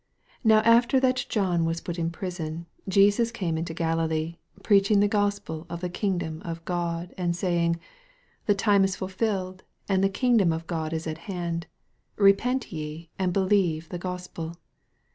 14 Now after that John was put in prison, Jesus came into Galilee, preaching the Gospel of the kingdom of God, 15 And saying, The time is fulfilled, and the kingdom of God is at hand : repent ye, and believe the Gospel.